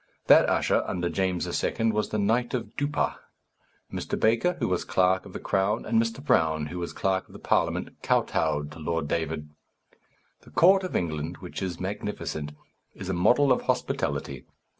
That usher, under James II., was the knight of Duppa. Mr. Baker, who was clerk of the crown, and Mr. Brown, who was clerk of the Parliament, kotowed to Lord David. The court of England, which is magnificent, is a model of hospitality.